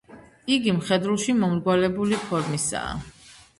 იგი მხედრულში მომრგვალებული ფორმისაა.